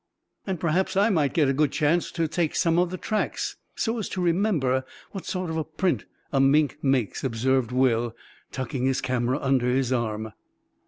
"And perhaps I might get a good chance to take some of the tracks, so as to remember what sort of a print a mink makes," observed Will, tucking his camera under his arm.